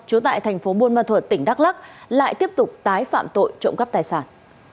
chú tại tp buôn ma thuật tỉnh đắk lắc lại tiếp tục tái phạm tội trộm cắp tài sản